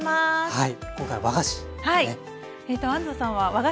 はい。